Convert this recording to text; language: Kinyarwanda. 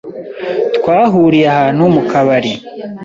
twahuriye ahantu mu kabari